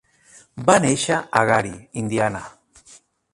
Va néixer a Gary, Indiana.